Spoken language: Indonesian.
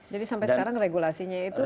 jadi sampai sekarang regulasinya itu belum ada